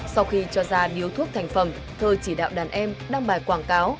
sau khi cho ra điếu thuốc thành phẩm thơ chỉ đạo đàn em đăng bài quảng cáo